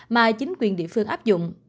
mà chính quyền địa phương áp dụng